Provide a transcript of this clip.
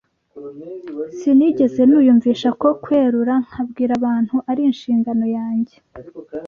Sinigeze niyumvisha ko kwerura nkabwira abantu ari inshingano yanjye